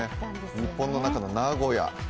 日本の中の名古屋。